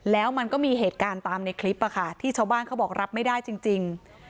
แล้วมันก็มีเหตุการณ์ตามในคลิปที่ชาวบ้านเขาบอกรับไม่ได้จริง